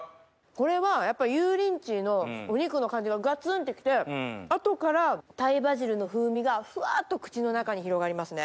これはやっぱ油淋鶏のお肉の感じがガツンってきて後からタイバジルの風味がフワっと口の中に広がりますね。